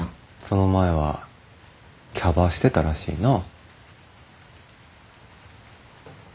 その前はキャバしてたらしいな。